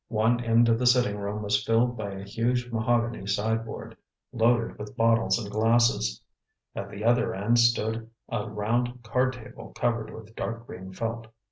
One end of the sitting room was filled by a huge mahogany sideboard, loaded with bottles and glasses. At the other end stood a round card table covered with dark green felt.